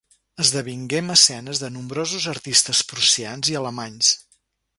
Esdevingué mecenes de nombrosos artistes prussians i alemanys.